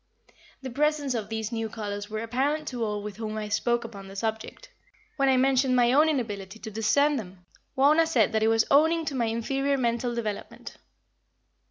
The presence of these new colors were apparent to all with whom I spoke upon the subject. When I mentioned my own inability to discern them, Wauna said that it was owning to my inferior mental development.